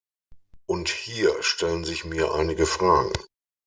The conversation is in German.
Und hier stellen sich mir einige Fragen.